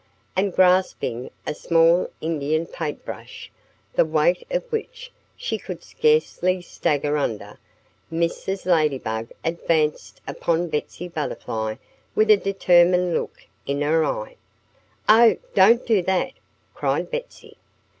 And grasping a small Indian paint brush, the weight of which she could scarcely stagger under, Mrs. Ladybug advanced upon Betsy Butterfly with a determined look in her eye. "Oh, don't do that!" cried Betsy.